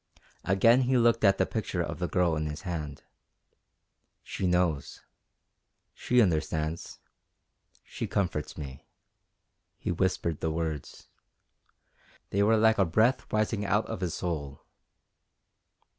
Again he looked at the picture of the Girl in his hand. "She knows. She understands. She comforts me." He whispered the words. They were like a breath rising out of his soul.